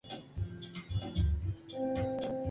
mapumziko wa Bath huchukuliwa kuwa mojawapo ya miji